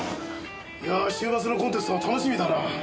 いやぁ週末のコンテストが楽しみだな。